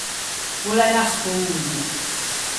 O l’é unna sponzia.